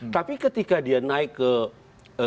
tapi ketika dia naik ke